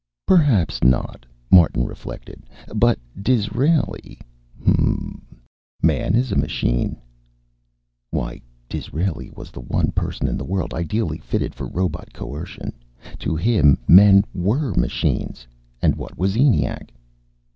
Perhaps not, Martin reflected, but Disraeli hm m. "Man is a machine." Why, Disraeli was the one person in the world ideally fitted for robot coercion. To him, men were machines and what was ENIAC?